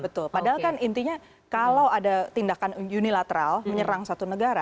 betul padahal kan intinya kalau ada tindakan unilateral menyerang satu negara